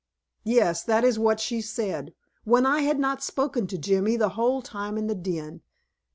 Yes, that was what she said; when I had not spoken to Jimmy the whole time in the den.